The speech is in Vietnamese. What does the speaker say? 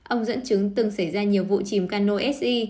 ông dẫn chứng từng xảy ra nhiều vụ chìm cano si